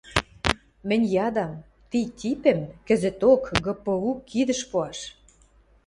Мӹнь ядам: ти типӹм кӹзӹток ГПУ кидӹш пуаш...